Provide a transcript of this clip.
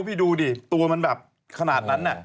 มัน๓นิ้วตัวมันแบบขนาดนั้น